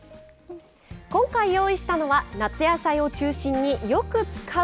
今回用意したのは夏野菜を中心によく使う野菜ばかり。